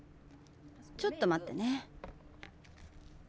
ちょっとまってね。